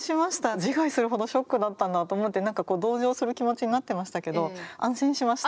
自害するほどショックだったんだと思って何かこう同情する気持ちになってましたけど安心しました。